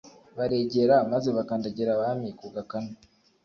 baregera maze bakandagira abami ku gakanu